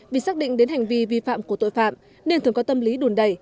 vì xác định đến hành vi vi phạm của tội phạm nên thường có tâm lý đùn đẩy